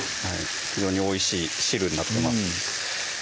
非常においしい汁になってます